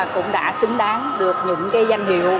cũng đã xứng đáng được những danh hiệu